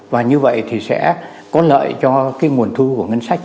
và như vậy thì sẽ có lợi cho cái nguồn thu của ngân sách